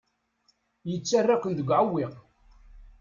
Yettarra-ken deg uɛewwiq.